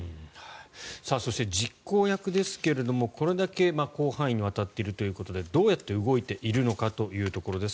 そして、実行役ですがこれだけ広範囲にわたっているということでどうやって動いているのかというところです